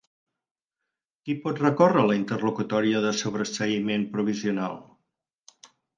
Qui pot recórrer la interlocutòria de sobreseïment provisional?